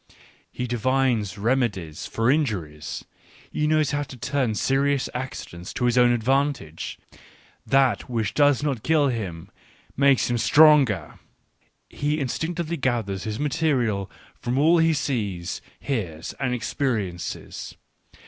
He divines remedies for injuries; he knows how to turn serious accidents to his own advantage ; that which does not kill him makes him stronger. He in stinctively gathers his material from all he sees, hears, and experiences.